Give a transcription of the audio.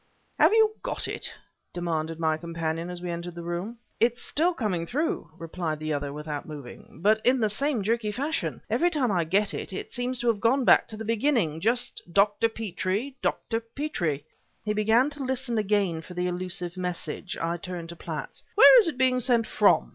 "Have you got it?" demanded my companion as we entered the room. "It's still coming through," replied the other without moving, "but in the same jerky fashion. Every time I get it, it seems to have gone back to the beginning just Dr. Petrie Dr. Petrie." He began to listen again for the elusive message. I turned to Platts. "Where is it being sent from?"